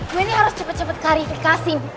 gue ini harus cepet cepet karifikasi